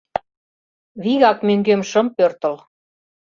Вигак мӧҥгем шым пӧртыл.